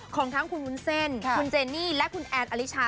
ของทั้งคุณวุ้นเส้นคุณเจนี่และคุณแอนอลิชา